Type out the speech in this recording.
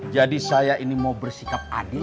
jadi saya ini mau bersikap adil